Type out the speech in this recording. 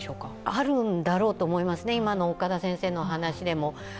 あるんだろうと思いますね、今の岡田先生の話でも。